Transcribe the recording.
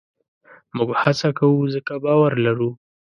موږ هڅه کوو؛ ځکه باور لرو.